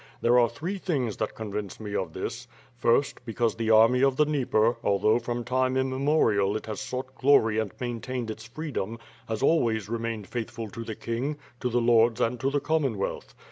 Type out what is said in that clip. There are three things that convince me of this: First, because the army of the Dnieper, although from time immemorial it has sought glory and maintained its freedom, has always remained faithful to the king, to the lords and to the Commonwealth.